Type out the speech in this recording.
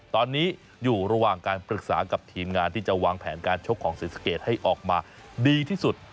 ตอนนี้อยู่ระหว่างการปรึกษากับทีมงานที่จะวางแผนการชกของศรีสะเกดให้ออกมาดีที่สุด